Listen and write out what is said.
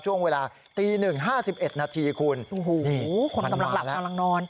ช่วงเวลาตีหนึ่งห้าสิบเอ็ดนาทีคุณโอ้โหคนกำลังหลับกำลังนอน